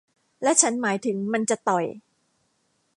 และฉันหมายถึงมันจะต่อย